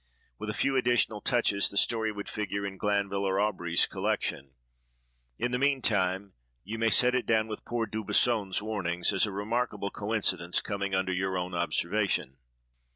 With a few additional touches, the story would figure in Glanville or Aubrey's collection. In the meantime, you may set it down with poor Dubisson's warnings, as a remarkable coincidence coming under your own observation."